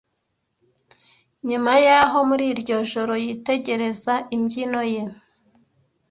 Nyuma yaho muri iryo joro yitegereza imbyino ye.